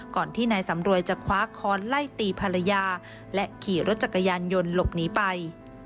ก่อนที่นายสำรวยจะคว้าค้อนไล่ตีภรรยาและขี่รถจักรยานยนต์หลบหนีไป